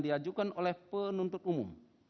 diajukan oleh penuntut umum